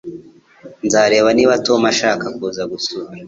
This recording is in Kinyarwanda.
Nzareba niba Tom ashaka kuza gusura.